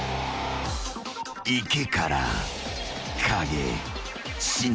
［池から影忍］